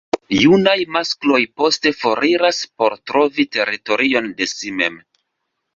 Junaj maskloj poste foriras por trovi teritorion de si mem.